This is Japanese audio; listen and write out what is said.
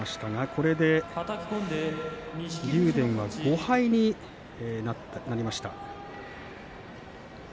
これで竜電は５敗になりました。